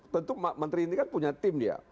tentu menteri ini kan punya tim dia